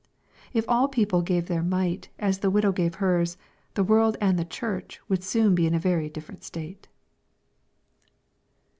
If all people gave their " mite," as the widow gave her's, the world and tie Church would soon be in a very different state.